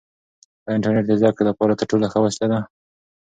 آیا انټرنیټ د زده کړې لپاره تر ټولو ښه وسیله ده؟